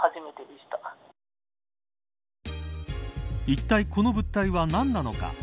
いったいこの物体は何なのか。